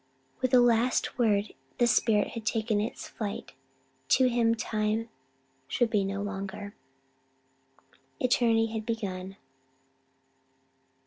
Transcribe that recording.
With the last word the spirit had taken its flight; to him time should be no longer, eternity had begun.